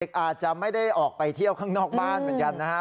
อาจจะไม่ได้ออกไปเที่ยวข้างนอกบ้านเหมือนกันนะครับ